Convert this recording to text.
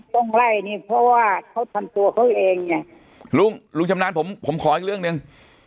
ต้องไล่นี่เพราะว่าเขาทำตัวเขาเองไงลุงลุงชำนาญผมผมขออีกเรื่องหนึ่ง